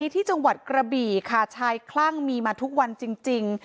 ที่จังหวัดกระบี่ค่ะชายคลั่งมีมาทุกวันจริง